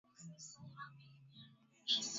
Weka pembeni kwa dakika ishirini